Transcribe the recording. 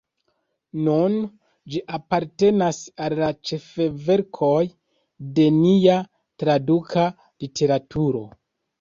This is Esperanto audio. Nun ĝi apartenas al la ĉefverkoj de nia traduka literaturo.